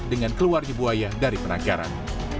dengan keluarnya buaya dari penangkaran